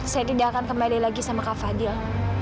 saya tidak akan kembali lagi sama kak fadil